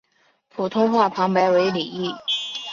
普通话旁白为李易。